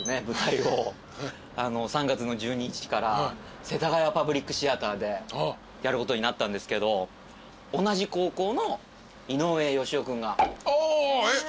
舞台を３月の１２日から世田谷パブリックシアターでやることになったんですけど同じ高校の井上芳雄君が主演で。